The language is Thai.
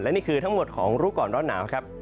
นี่คือทั้งหมดของรู้ก่อนร้อนหนาวครับ